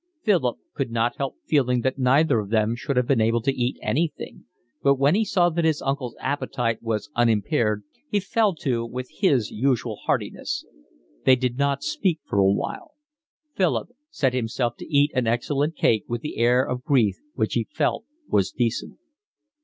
Philip could not help feeling that neither of them should have been able to eat anything, but when he saw that his uncle's appetite was unimpaired he fell to with his usual heartiness. They did not speak for a while. Philip set himself to eat an excellent cake with the air of grief which he felt was decent.